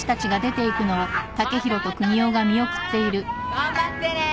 頑張ってねー！